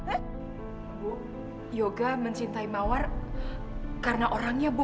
ibu yoga mencintai mawar karena orangnya bu